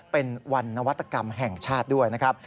เป็นวันนวัตกรรมแห่งชาติด้วยนะครับ